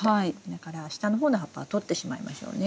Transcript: だから下の方の葉っぱはとってしまいましょうね。